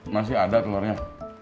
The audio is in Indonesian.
masih ada telurnya